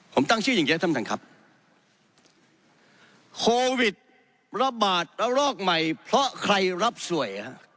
ผมตั้งชื่ออย่างเงี้ท่านท่านครับโควิดระบาดระลอกใหม่เพราะใครรับสวยฮะ